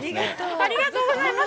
ありがとうございます。